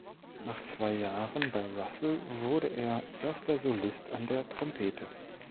Nach zwei Jahren bei Russell wurde er erster Solist an der Trompete.